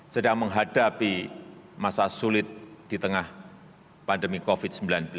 sedang menghadapi masa sulit di tengah pandemi covid sembilan belas